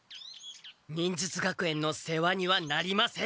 忍術学園の世話にはなりません！